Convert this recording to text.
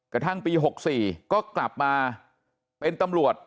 กระทั่งปี๖๔ก็กลับมาเป็นตำรวจ